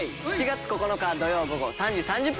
７月９日土曜午後３時３０分から。